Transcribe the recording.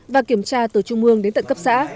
và kiểm tra từ trung ương đến tận cấp xã